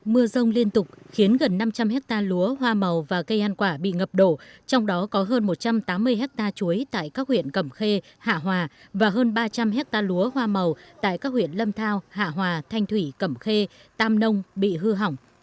mưa rông liên tục khiến gần năm trăm linh hectare lúa hoa màu và cây ăn quả bị ngập đổ trong đó có hơn một trăm tám mươi hectare chuối tại các huyện cẩm khê hạ hòa và hơn ba trăm linh hectare lúa hoa màu tại các huyện lâm thao hạ hòa thanh thủy cẩm khê tam nông bị hư hỏng